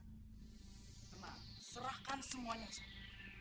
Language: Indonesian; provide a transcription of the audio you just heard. tenang serahkan semuanya saya